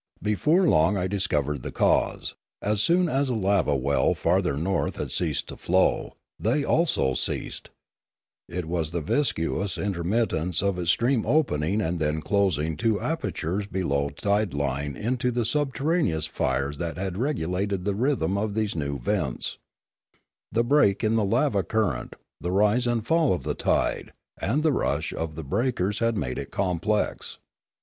Before long I discovered the cause; as soon as a lava well farther north had ceased to flow, they also ceased ; it was the viscous intermittance of its stream opening and then closing two apertures below tide line into the subterraneous fires that had regulated the rhythm of these new vents; the break in the lava current, the rise and fall of the tide, and the rush of the breakers had made it complex.